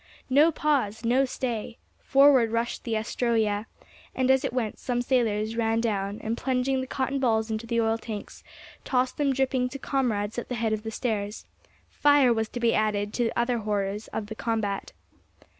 No pause, no stay! Forward rushed the Astroea; and, as it went, some sailors ran down, and plunging the cotton balls into the oil tanks, tossed them dripping to comrades at the head of the stairs: fire was to be added to other horrors of the combat.